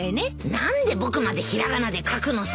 何で僕まで平仮名で書くのさ。